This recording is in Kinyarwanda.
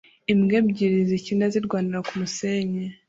Imbwa ebyiri zikina zirwanira kumusenyi